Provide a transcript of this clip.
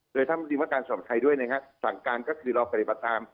โดยทำรีมการสภาษาสภาษาไทยด้วยนะครับสั่งการก็คือเราไปไปตาม